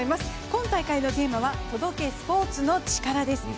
今大会のテーマは「届け、スポーツのチカラ」です。